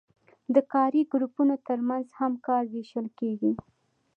د کاري ګروپونو ترمنځ هم کار ویشل کیږي.